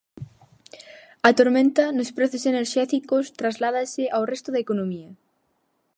A tormenta nos prezos enerxéticos trasládase ao resto da economía.